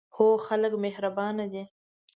هو، خلک مهربانه دي